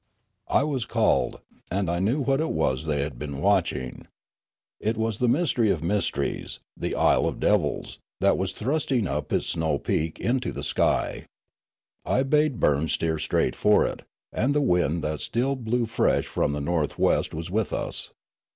I was called, and I knew what it was they had been watching. It was the mystery of mysteries, the Isle of Devils, that was thrusting up its snow peak into the sky. I bade Burns steer straight for it, and the wind that still blew fresh from the north west was with us.